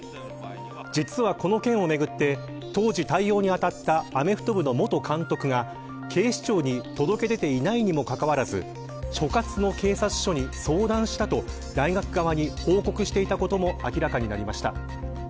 実はこの件をめぐって、当時対応に当たったアメフト部の元監督が警視庁に届け出ていないにもかかわらず所轄の警察署に相談したと大学側に報告していたことも明らかになりました。